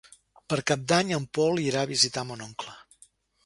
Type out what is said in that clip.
Per Cap d'Any en Pol irà a visitar mon oncle.